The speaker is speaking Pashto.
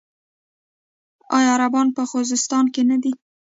آیا عربان په خوزستان کې نه دي؟